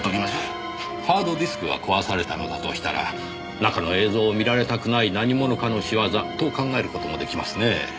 ハードディスクが壊されたのだとしたら中の映像を見られたくない何者かの仕業と考える事も出来ますねぇ。